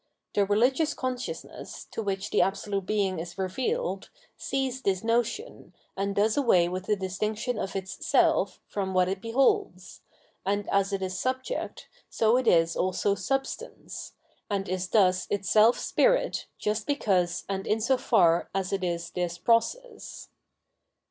The religious conscious ness, to which the Absolute Being is revealed, sees this notion, and does away with the distinction of its self from what it beholds ; and as it is Subject, so it is also Substance ; and is thus itself Spirit just because and in so far as it is this process.